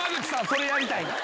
それやりたいねん！